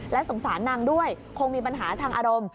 และสงสารนางด้วยคงมีปัญหาทางอารมณ์